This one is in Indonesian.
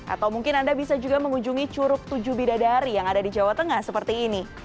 atau mungkin anda bisa juga mengunjungi curug tujuh bidadari yang ada di jawa tengah seperti ini